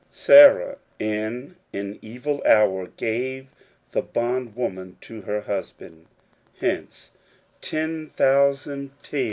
Sarah, in an evil hour, gave the bond woman to her husband ; hence ten thousand tears.